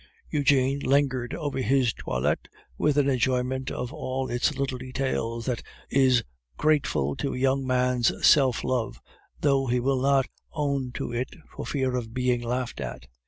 Eugene lingered over his toilette with an enjoyment of all its little details that is grateful to a young man's self love, though he will not own to it for fear of being laughed at.